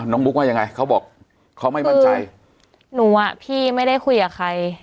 บุ๊กว่ายังไงเขาบอกเขาไม่มั่นใจหนูอ่ะพี่ไม่ได้คุยกับใคร